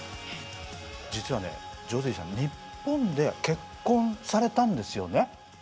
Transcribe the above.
実はねジョディさん日本で結婚されたんですよね？